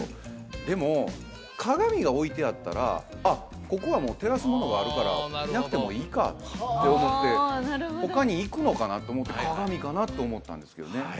でもかがみが置いてあったらあっここはもう照らすものがあるからいなくてもいいかって思って他に行くのかなと思ってかがみかなと思ったんですけどね